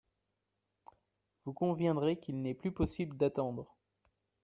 Vous conviendrez qu’il n’est plus possible d’attendre.